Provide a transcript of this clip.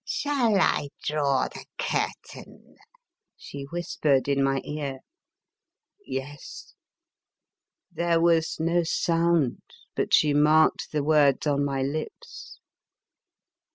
" Shall I draw the curtain?" she whispered in my ear. "Yes." There was no sound, but she marked the words on my lips.